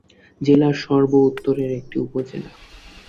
জেলার সর্ব উত্তরের একটি উপজেলা।